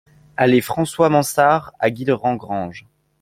Allée François Mansard à Guilherand-Granges